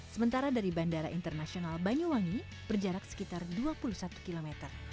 sementara dari bandara internasional banyuwangi berjarak sekitar dua puluh satu km